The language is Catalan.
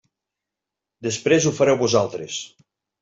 Després ho fareu vosaltres.